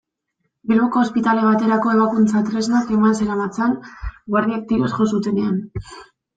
Bilboko ospitale baterako ebakuntza-tresnak omen zeramatzan, guardiek tiroz jo zutenean.